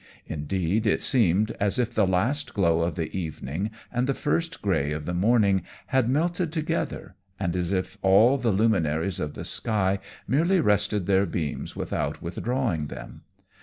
Indeed, it seemed as if the last glow of the evening and the first grey of the morning had melted together, and as if all the luminaries of the sky merely rested their beams without withdrawing them.